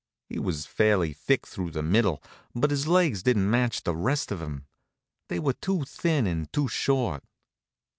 He was fairly thick through the middle, but his legs didn't match the rest of him. They were too thin and too short.